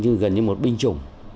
chứ gần như một binh chủng